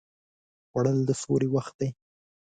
خوړل د سولې وخت دی